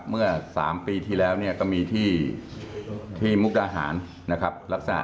เมื่อ๓ปีที่แล้วเนี่ยก็มีที่มุกอาหารนะครับ